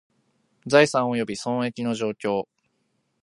財産および損益の状況